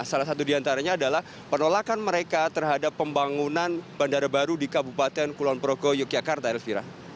salah satu diantaranya adalah penolakan mereka terhadap pembangunan bandara baru di kabupaten kulon progo yogyakarta elvira